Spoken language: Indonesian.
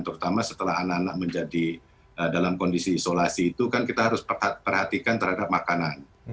terutama setelah anak anak menjadi dalam kondisi isolasi itu kan kita harus perhatikan terhadap makanan